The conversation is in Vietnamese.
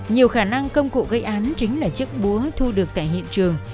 nhiều khả năng công cụ gây án chính là chiếc búa thu được tại hiện trường